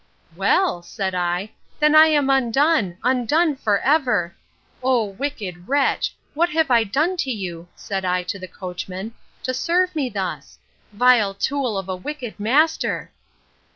—Well, said I, then I am undone; undone for ever!—O, wicked wretch! what have I done to you, said I to the coachman, to serve me thus?—Vile tool of a wicked master!